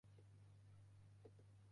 鹿児島県長島町